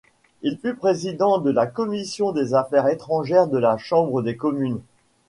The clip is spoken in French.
Il fut président de la commission des affaires étrangères de la Chambre des communes.